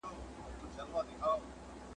تعلیم د انسانیت لپاره یو بنسټیز ضرورت دئ.